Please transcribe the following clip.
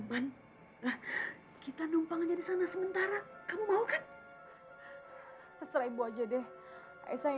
takut kamu diapa apain sama orang itu aisyah